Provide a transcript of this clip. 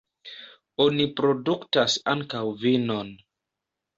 Oni produktas ankaŭ vinon.